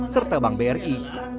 serta bank bri